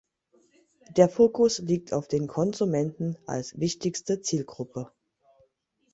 Der Fokus liegt auf den Konsumenten als wichtigste Zielgruppe.